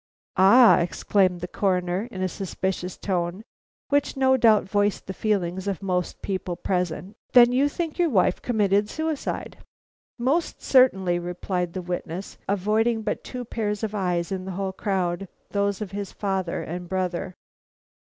"Ah!" exclaimed the Coroner in a suspicious tone, which no doubt voiced the feelings of most people present; "then you think your wife committed suicide?" "Most certainly," replied the witness, avoiding but two pairs of eyes in the whole crowd, those of his father and brother.